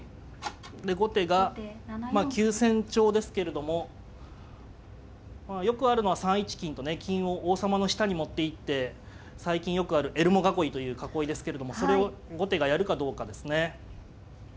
後手がまあ急戦調ですけれどもよくあるのは３一金とね金を王様の下に持っていって最近よくあるエルモ囲いという囲いですけれどもそれを後手がやるかどうかですね。